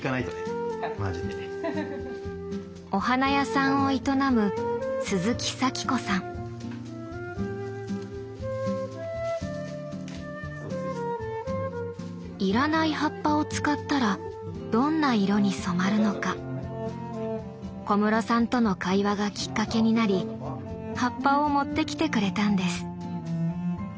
お花屋さんを営むいらない葉っぱを使ったらどんな色に染まるのか小室さんとの会話がきっかけになり葉っぱを持ってきてくれたんです。